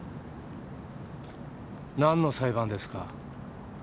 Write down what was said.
何の裁判ですか？